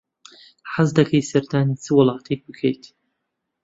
حەز دەکەیت سەردانی چ وڵاتێک بکەیت؟